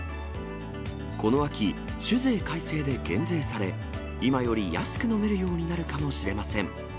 この秋、酒税改正で減税され、今より安く飲めるようになるかもしれません。